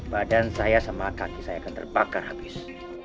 badan saya sama kaki saya akan terbakar habis